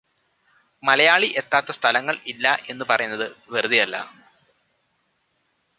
മലയാളി എത്താത്ത സ്ഥലങ്ങൾ ഇല്ല എന്ന് പറയുന്നത് വെറുതെയല്ല